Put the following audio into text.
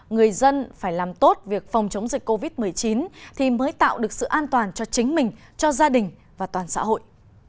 người dân phải làm tốt việc phòng chống dịch covid một mươi chín thì mới tạo được sự an toàn cho chính mình cho gia đình và toàn xã hội